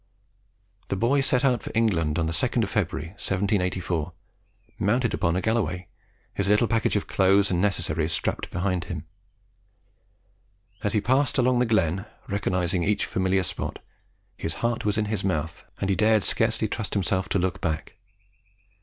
The boy set out for England on the 2nd of February, 1784, mounted upon a Galloway, his little package of clothes and necessaries strapped behind him. As he passed along the glen, recognising each familiar spot, his heart was in his mouth, and he dared scarcely trust himself to look back.